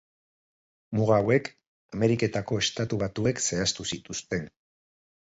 Muga hauek Ameriketako Estatu Batuek zehaztu zituzten.